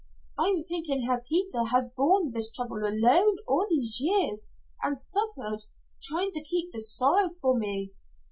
"I'm thinking how Peter has borne this trouble alone, all these years, and suffered, trying to keep the sorrow from me."